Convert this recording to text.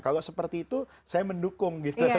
kalau seperti itu saya mendukung gitu